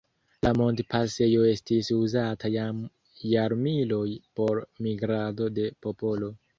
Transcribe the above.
La montpasejo estis uzata jam jarmiloj por migrado de popolo.